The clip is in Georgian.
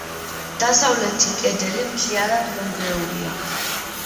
დასავლეთი კედელი მთლიანად მონგრეულია.